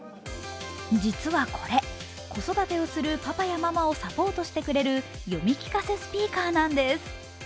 実はこれ、子育てをするパパやママをサポートしてくれる読み聞かせスピーカーなんです。